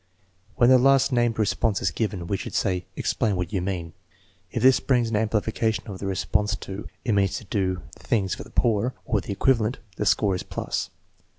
When the last named response is given, we should say: "Explain what you mean. 39 If this brings an amplification of the response to "It means to do things for the poor," or the equivalent, the score is plus.